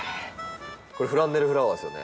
これフランネルフラワーですよね？